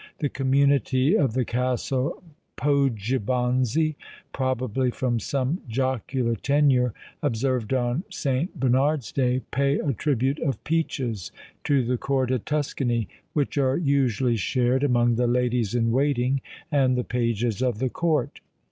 The community of the Castle Poggibonsi, probably from some jocular tenure observed on St. Bernard's day, pay a tribute of peaches to the court of Tuscany, which are usually shared among the ladies in waiting, and the pages of the court.